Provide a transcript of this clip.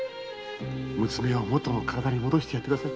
娘をもとの体に戻してやってください！